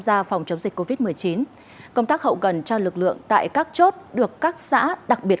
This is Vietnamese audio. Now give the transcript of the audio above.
gia phòng chống dịch covid một mươi chín công tác hậu cần cho lực lượng tại các chốt được các xã đặc biệt